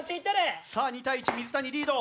さあ２対１水谷リード。